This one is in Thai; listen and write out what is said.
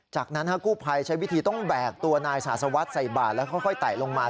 จากนั้นกู้ภัยใช้วิธีต้องแบกตัวนายศาสวัสดิ์ใส่บาทแล้วค่อยไต่ลงมา